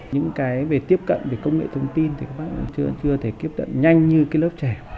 những cái về tiếp cận về công nghệ thông tin thì các bác chưa thể kiếp tận nhanh như lớp trẻ